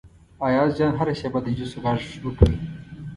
ایاز جان هره شیبه د جوسو غږ وکړي.